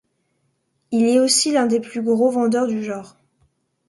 Il est aussi l'un des plus gros vendeurs du genre.